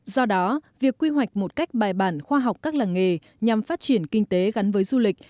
do đó việc quy hoạch một cách bài bản khoa học các làng nghề nhằm phát triển kinh tế gắn với du lịch